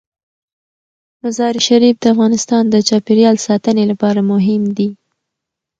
مزارشریف د افغانستان د چاپیریال ساتنې لپاره مهم دي.